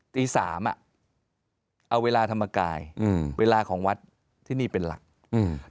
ตีสามอ่ะเอาเวลาธรรมกายอืมเวลาของวัดที่นี่เป็นหลักอืม